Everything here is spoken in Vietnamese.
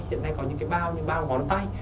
hiện nay có những cái bao ngón tay